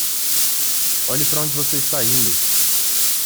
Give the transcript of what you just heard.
Olhe para onde você está indo!